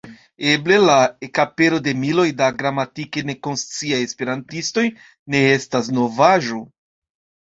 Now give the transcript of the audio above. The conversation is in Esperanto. Eble la ekapero de miloj da gramatike nekonsciaj esperantistoj ne estas novaĵo.